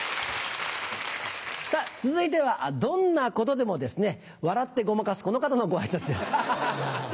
続いてはどんなことでも笑ってごまかすこの方のご挨拶です。